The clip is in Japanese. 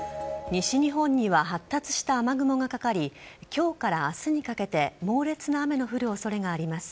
西日本には発達した雨雲がかかり今日から明日にかけて猛烈な雨の降る恐れがあります。